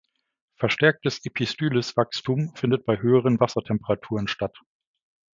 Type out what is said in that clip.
Verstärktes "Epistylis"-Wachstum findet bei höheren Wassertemperaturen statt.